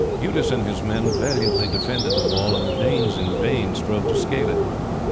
Eudes and his men valiantly defended the wall, and the Danes in vain strove to scale it.